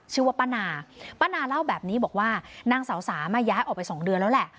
ชื่อว่าป้านาป้านาเล่าแบบนี้บอกว่านางสาวสามะย้ายออกไปสองเดือนแล้วแหละ